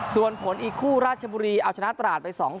ส่วนผลอีกคู่ราชบุรีเอาชนะตราดไป๒๐